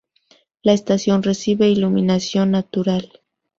La estación recibe iluminación natural.